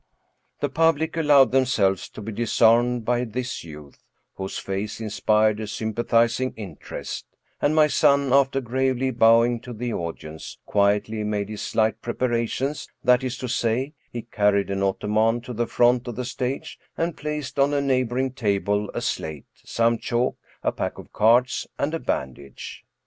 The public allowed themselves to be disarmed by this youth, whose face inspired a sjrmpathizing interest ; and my son, after gravely bowing to the audience, quietly made his slight preparations, that is to say, he carried an ottoman to the front of the stage, and placed on a neighboring table a slate, some chalk, a pack of cards, and a bandage.